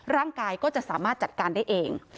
ร่างกายก็จะสามารถจัดการได้เอง